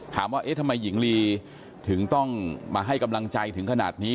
เอ๊ะทำไมหญิงลีถึงต้องมาให้กำลังใจถึงขนาดนี้